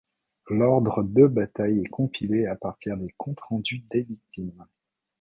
L'ordre de bataille est compilé à partir des comptes-rendus des victimes.